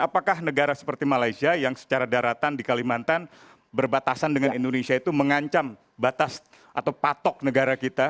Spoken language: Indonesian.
apakah negara seperti malaysia yang secara daratan di kalimantan berbatasan dengan indonesia itu mengancam batas atau patok negara kita